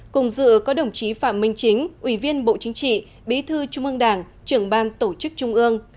cùng dự có đồng chí phạm minh chính ủy viên bộ chính trị bí thư trung ương đảng trưởng ban tổ chức trung ương